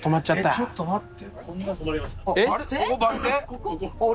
ちょっと待って。